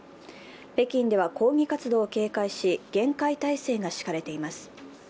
北京では抗議活動を警戒し、厳戒態勢が敷かれています。